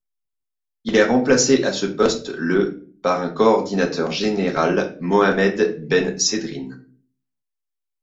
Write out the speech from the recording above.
Il est remplacé à ce poste le par un coordinateur général, Mohamed Ben Sedrine.